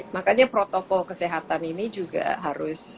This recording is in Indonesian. makanya protokol kesehatan ini juga harus